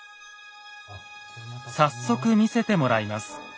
早速見せてもらいます。